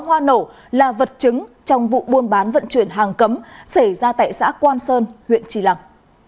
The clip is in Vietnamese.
hoa nổ là vật chứng trong vụ buôn bán vận chuyển hàng cấm xảy ra tại xã quan sơn huyện trì lăng